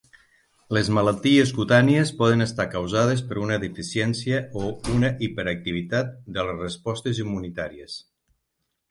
Les malalties cutànies poden estar causades per una deficiència o una hiperactivitat de les respostes immunitàries.